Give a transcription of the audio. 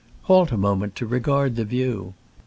Halt a moment to regard the view !